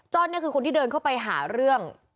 นี่คือคนที่เดินเข้าไปหาเรื่อง